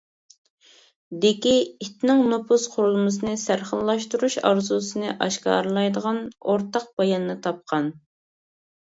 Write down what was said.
دىكى ئېتنىك نوپۇس قۇرۇلمىسىنى «سەرخىللاشتۇرۇش» ئارزۇسىنى ئاشكارىلايدىغان ئورتاق باياننى تاپقان.